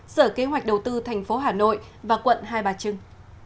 sở kế hoạch đầu tư thành phố hà nội và quận hai bà trưng